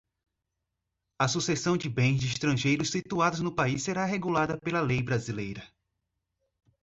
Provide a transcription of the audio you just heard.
a sucessão de bens de estrangeiros situados no país será regulada pela lei brasileira